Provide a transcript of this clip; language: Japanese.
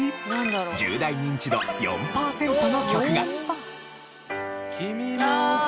１０代ニンチド４パーセントの曲が。